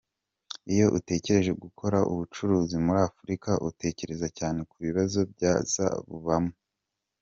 Iyo utekereje gukora ubucuruzi muri Afurika, utekereza cyane ku bibazo byazabubamo.